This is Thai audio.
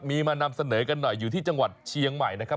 มีมานำเสนอกันหน่อยอยู่ที่จังหวัดเชียงใหม่นะครับ